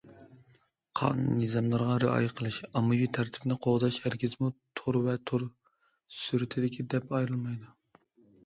قانۇن- نىزاملارغا رىئايە قىلىش، ئاممىۋى تەرتىپنى قوغداش ھەرگىزمۇ تور ۋە تور سىرتىدىكى دەپ ئايرىلمايدۇ.